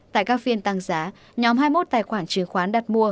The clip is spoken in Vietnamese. tại các phiên tăng giá nhóm hai mươi một tài khoản chứng khoán đặt mua